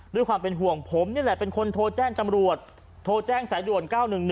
ด้วยความเป็นห่วงผมนี่แหละเป็นคนโทรแจ้งจำรวจโทรแจ้งสายด่วน๙๑๑